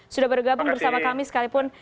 sudah bergabung bersama kami sekalipun